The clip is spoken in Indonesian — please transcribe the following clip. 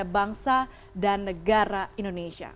bangsa dan negara indonesia